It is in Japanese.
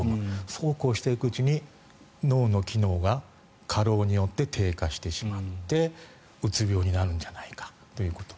そうこうしていくうちに脳の機能が過労によって低下してしまってうつ病になるんじゃないかということ。